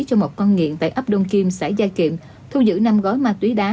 cho một con nghiện tại ấp đông kim xã giai kiệm thu giữ năm gói ma túy đá